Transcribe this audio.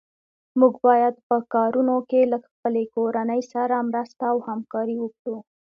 موږ باید په کارونو کې له خپلې کورنۍ سره مرسته او همکاري وکړو.